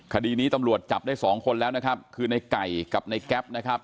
คดีนี้ตำรวจจับได้สองคนแล้วนะครับคือในไก่กับในแก๊ปนะครับ